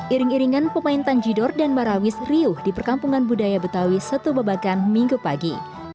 iring iringan pemain tanjidor dan marawis riuh di perkampungan budaya betawi setubabakan minggu pagi